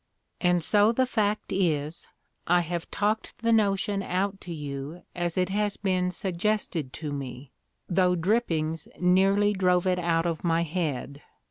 And so the fact is, I have talked the notion out to you as it has been suggested to me, though Drippings nearly drove it out of my head.